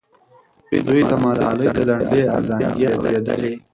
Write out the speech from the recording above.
دوی د ملالۍ د لنډۍ ازانګې اورېدلې.